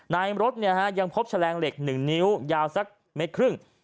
ในรถยังพบแฉลงเหล็ก๑นิ้วยาวสักเมตรครึ่ง